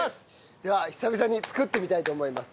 では久々に作ってみたいと思います。